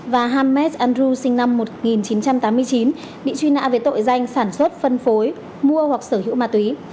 và hammed androu sinh năm một nghìn chín trăm tám mươi chín bị truy nã về tội danh sản xuất phân phối mua hoặc sở hữu ma túy